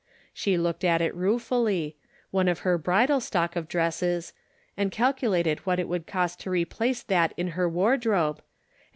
She looked at it ruefully — one of her bridal stock of dresses — and calculated what it would cost to replace that in her wardrobe, and 94 The Pocket Measure.